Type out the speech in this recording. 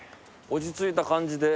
落ち着いた感じで。